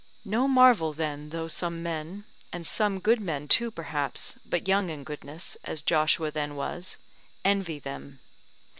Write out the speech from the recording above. No marvel then though some men, and some good men too perhaps, but young in goodness, as Joshua then was, envy them.